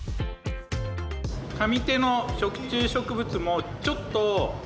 上手の食虫植物もちょっと。